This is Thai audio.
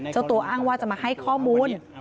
เจ้าตัวอ้างว่าจะมาให้ข้อมูล